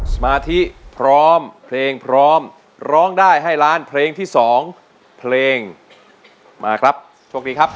สมาธิพร้อมเพลงพร้อมร้องได้ให้ล้านเพลงที่สองเพลงมาครับโชคดีครับ